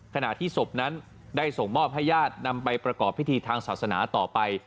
ขณะที่ศพนั้นได้ส่งมอบให้ญาตินำไปประกอบพิธีทางศาสนาต่อไป